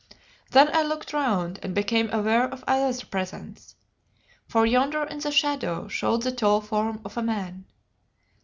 Then I looked round, and became aware of another presence. For yonder in the shadow showed the tall form of a man.